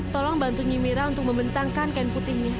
tolong bantu nyimira untuk membentangkan kain putihnya